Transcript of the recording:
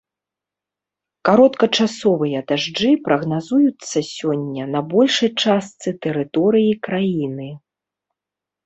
Кароткачасовыя дажджы прагназуюцца сёння на большай частцы тэрыторыі краіны.